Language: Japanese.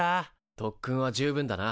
特訓は十分だな。